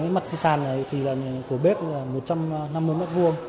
mặt xe sàn của bếp một trăm năm mươi m hai